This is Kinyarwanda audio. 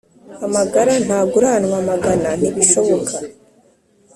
Amagara ntaguranwa amagana ntibishobaka